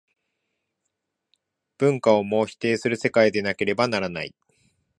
文化をも否定する世界でなければならない。